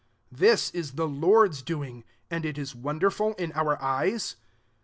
This is the Lord's doing, and is it won derful in our eyes